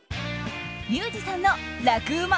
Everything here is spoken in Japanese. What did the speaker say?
リュウジさんの楽ウマ！